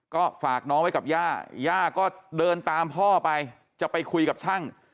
ก็ฝากน้องไว้กับย่าย่าก็เดินตามพ่อไปจะไปคุยกับช่าง